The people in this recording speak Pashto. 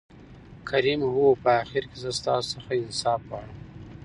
کريم : هو په آخر کې زه ستاسو څخه انصاف غواړم.